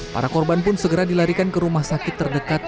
para korban pun segera dilarikan ke rumah sakit terdekat